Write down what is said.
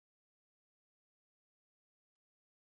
Eng oranoto abare taritik aeng abaishe koita agenge